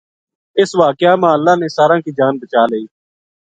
اس واقعہ ما اللہ نے ساراں کی جان بچا لئی